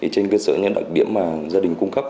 trên cơ sở những đặc điểm mà gia đình cung cấp